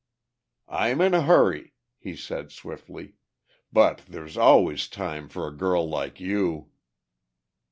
"I'm in a hurry," he said swiftly. "But there's always time for a girl like you!"